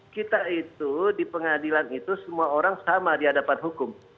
kita itu di pengadilan itu semua orang sama di hadapan hukum